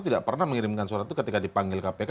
tidak pernah mengirimkan surat itu ketika dipanggil kpk